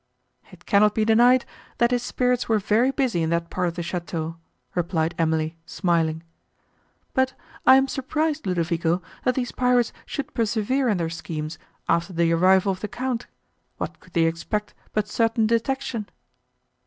"It cannot be denied, that his spirits were very busy in that part of the château," replied Emily, smiling. "But I am surprised, Ludovico, that these pirates should persevere in their schemes, after the arrival of the Count; what could they expect but certain detection?"